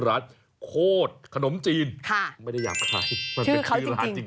ค่ะชื่อเขาจริงไม่ได้ยามใครมันเป็นชื่อร้านจริง